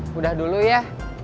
mudah dulu ya